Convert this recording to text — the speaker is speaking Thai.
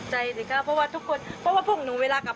ชอบออกเรื่อยค่ะ